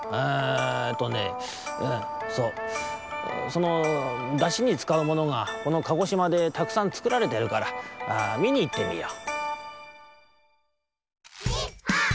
えとねうんそうそのだしにつかうものがこの鹿児島でたくさんつくられてるからみにいってみよう」。